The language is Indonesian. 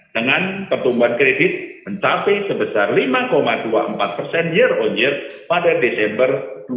dengan pertumbuhan kredit mencapai sebesar lima dua puluh empat persen year on year pada desember dua ribu dua puluh